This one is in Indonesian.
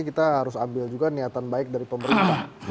kita harus ambil juga niatan baik dari pemerintah